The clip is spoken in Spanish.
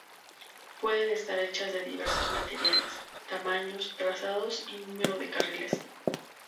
Pueden estar hechas de diversos materiales, tamaños, trazados y número de carriles.